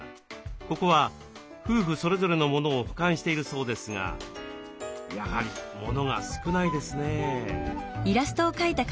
ここは夫婦それぞれのモノを保管しているそうですがやはりモノが少ないですね。